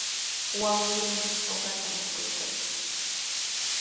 Wawqiimi uqata mikuykan.